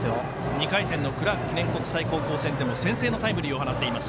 ２回戦のクラーク記念国際戦でも先制のタイムリーを放っています